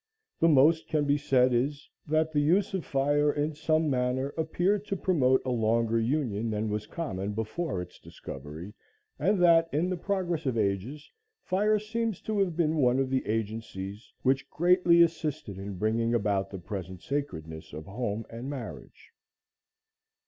The most that can be said is, that the use of fire in some manner appeared to promote a longer union than was common before its discovery, and that, in the progress of ages, fire seems to have been one of the agencies which greatly assisted in bringing about the present sacredness of home and marriage.